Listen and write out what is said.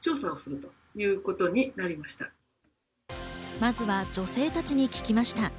まずは女性達に聞きました。